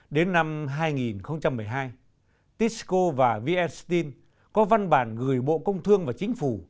đến năm hai nghìn một mươi hai tisco và vn steel có văn bản gửi bộ công thương và chính phủ